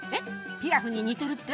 ピラフに似てるって？